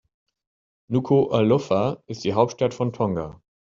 Nukuʻalofa ist die Hauptstadt von Tonga.